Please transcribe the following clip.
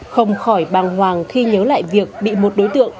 không khỏi bàng hoàng khi nhớ lại việc bị một đối tượng